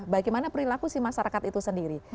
bagaimana perilaku si masyarakat itu sendiri